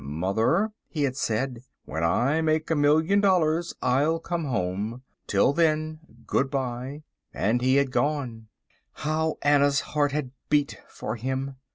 "Mother," he had said, "when I make a million dollars I'll come home. Till then good bye," and he had gone. How Anna's heart had beat for him.